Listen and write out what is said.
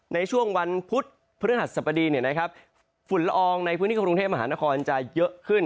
ในช่วงวันพุธพฤหัสสบดีฝุ่นละอองในพื้นที่กรุงเทพมหานครจะเยอะขึ้น